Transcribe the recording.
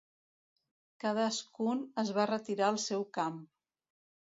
Cadascun es va retirar al seu camp.